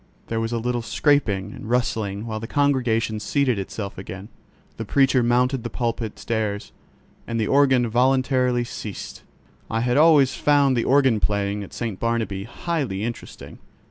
There was a little scraping and rustling while the congregation seated itself again; the preacher mounted the pulpit stairs, and the organ voluntary ceased. I had always found the organ playing at St. Barnabķ highly interesting.